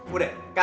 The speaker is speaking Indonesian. udah ya udah